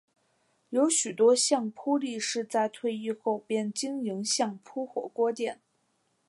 有许多相扑力士在退役后便经营相扑火锅店。